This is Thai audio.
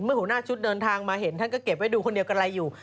หัวหน้าชุดเดินทางมาเห็นท่านก็เก็บไว้ดูคนเดียวกำไรอยู่